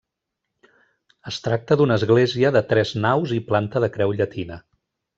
Es tracta d'una església de tres naus i planta de creu llatina.